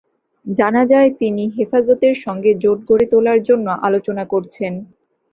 জানা যায়, তিনি হেফাজতের সঙ্গে জোট গড়ে তোলার জন্য আলোচনা করছেন।